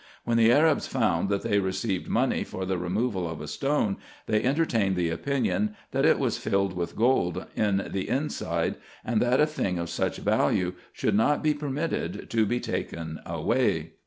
When the Arabs found that they received money for the removal of a stone, they entertained the opinion, that it was filled with gold in the inside, and that a thing of such value should not be permitted to be taken away.